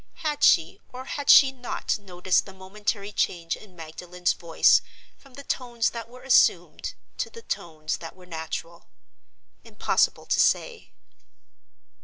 Had she, or had she not, noticed the momentary change in Magdalen's voice from the tones that were assumed to the tones that were natural? Impossible to say.